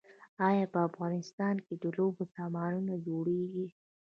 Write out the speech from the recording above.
آیا په افغانستان کې د لوبو سامان جوړیږي؟